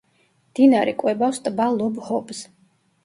მდინარე კვებავს ტბა ლობ–ჰობს.